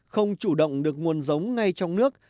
không chủ động được nguồn giống ngay trong nước